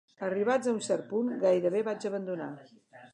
Arribats a un cert punt gairebé vaig abandonar.